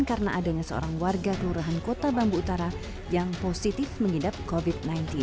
karena adanya seorang warga kelurahan kota bambu utara yang positif mengidap covid sembilan belas